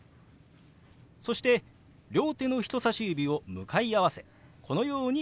そして両手の人さし指を向かい合わせこのように動かします。